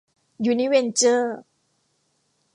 ยูนิเวนเจอร์